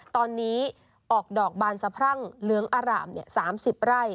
ตอนนี้ออกดอกบานสะพรั่งเหลืองอร่าม๓๐ไร่